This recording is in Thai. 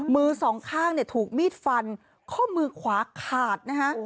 มือสองข้างเนี่ยถูกมีดฟันข้อมือขวาขาดนะฮะ